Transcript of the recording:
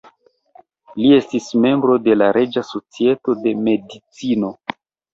Li estis membro de la "Reĝa Societo de Medicino".